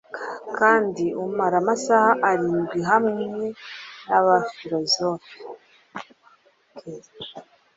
kandi umara amasaha arindwi hamwe nabafilozofe